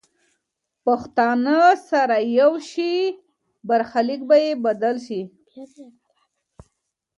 که پښتانه سره یو شي، برخلیک به یې بدل شي.